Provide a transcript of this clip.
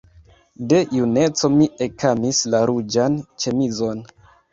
De juneco mi ekamis la ruĝan ĉemizon.